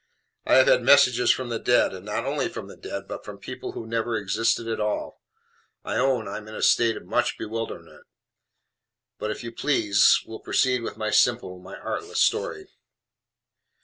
I have had messages from the dead; and not only from the dead, but from people who never existed at all. I own I am in a state of much bewilderment: but, if you please, will proceed with my simple, my artless story.